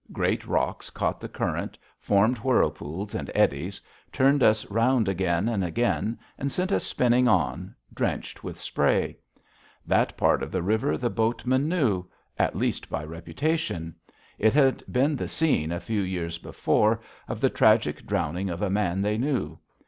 Great rocks caught the current, formed whirlpools and eddies, turned us round again and again, and sent us spinning on, drenched with spray. That part of the river the boatmen knew at least by reputation. It had been the scene, a few years before, of the tragic drowning of a man they knew.